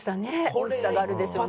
美味しさがあるでしょうね。